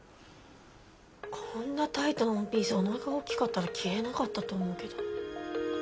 こんなタイトなワンピースおなかが大きかったら着れなかったと思うけど。